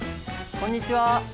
こんにちは。